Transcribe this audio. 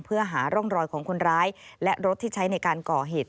เพื่อหาร่องรอยของคนร้ายและรถที่ใช้ในการก่อเหตุ